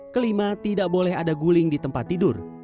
kelima tidak boleh ada guling di tempat tidur